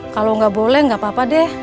kalo gak boleh gak apa apa deh